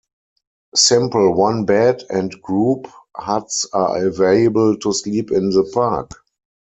Simple one bed and group huts are available to sleep in the park.